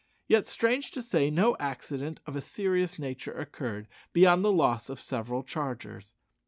Yet, strange to say, no accident of a serious nature occurred beyond the loss of several chargers.